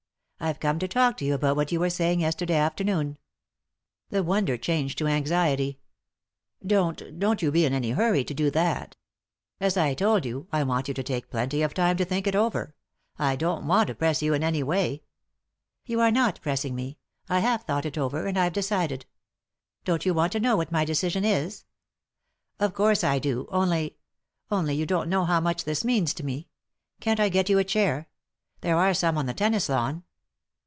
"I've come to talk to you about what you were saying yesterday afternoon." The wonder changed to anxiety. " Don't — don't you be in any hurry to do that As I told you, I want you to take plenty of time to think it over ; I don't want to press you in any way." " You are not pressing me ; I have thought it over, and I've decided. Don't you want to know what my decision is ?" "Of course I do, only — only you don't know how much this means to me. Can't I get you a chair ? There are some on the tennis lawn."